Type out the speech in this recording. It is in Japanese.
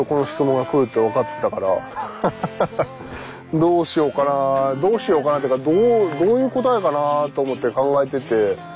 どうしようかなどうしようかなっていうかどういう答えかなと思って考えてて。